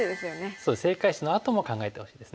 そう正解手のあとも考えてほしいですね。